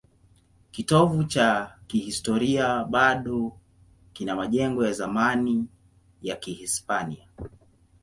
Kitovu cha kihistoria bado kina majengo ya zamani ya Kihispania.